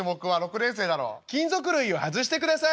「金属類を外してください」。